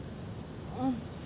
うん。